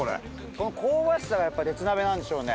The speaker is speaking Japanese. この香ばしさがやっぱ、鉄鍋なんでしょうね。